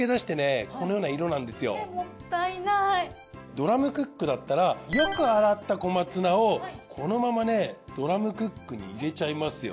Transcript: ドラムクックだったらよく洗った小松菜をこのままねドラムクックに入れちゃいますよ。